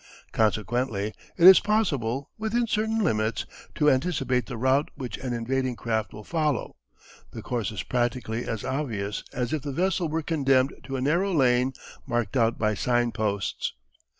Consequently it is possible, within certain limits, to anticipate the route which an invading craft will follow: the course is practically as obvious as if the vessel were condemned to a narrow lane marked out by sign posts.